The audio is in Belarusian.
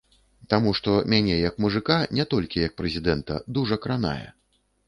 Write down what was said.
Таму што мяне як мужыка, не толькі як прэзідэнта, дужа кранае.